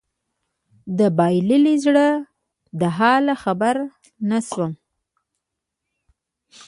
د بايللي زړه له حاله خبر نه شوم